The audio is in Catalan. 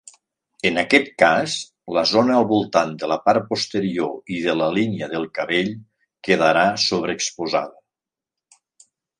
En aquest cas, la zona al voltant de la part posterior i de la línia del cabell quedarà sobreexposada.